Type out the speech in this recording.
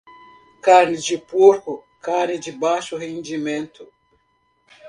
Carne de porco, carne de baixo rendimento.